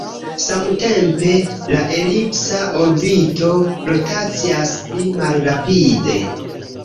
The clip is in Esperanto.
Samtempe, la elipsa orbito rotacias pli malrapide.